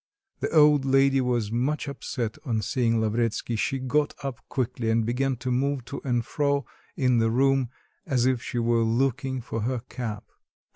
The old lady was much upset on seeing Lavretsky, she got up quickly and began to move to and fro in the room as if she were looking for her cap.